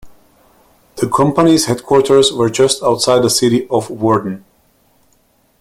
The company's headquarters were just outside the city of Woerden.